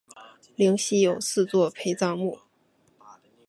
灵犀有四座陪葬墓。